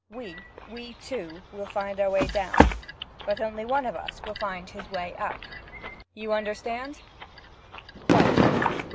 We we two will find our way down; but only one of us will find his way up, you understand?' 'Quite.'